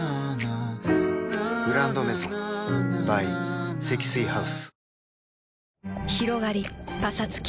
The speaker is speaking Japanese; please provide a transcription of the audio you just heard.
「グランドメゾン」ｂｙ 積水ハウス